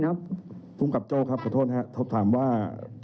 เรามีการปิดบันทึกจับกลุ่มเขาหรือหลังเกิดเหตุแล้วเนี่ย